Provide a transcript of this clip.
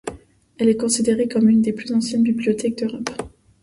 Elle est considérée comme une des plus anciennes bibliothèques d'Europe.